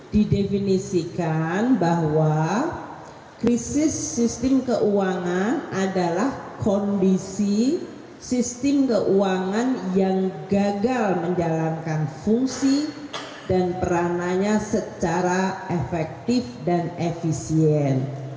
didefinisikan bahwa krisis sistem keuangan adalah kondisi sistem keuangan yang gagal menjalankan fungsi dan perananya secara efektif dan efisien